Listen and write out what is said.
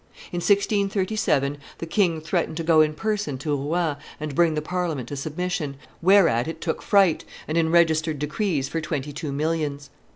In 1637 the king threatened to go in person to Rouen and bring the Parliament to submission, whereat it took fright and enregistered decrees for twenty two millions.